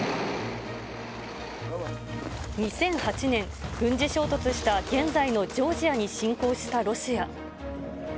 ２００８年、軍事衝突した現在のジョージアに侵攻したロシア。